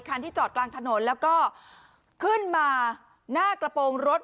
ที่จอดกลางถนนแล้วก็ขึ้นมาหน้ากระโปรงรถ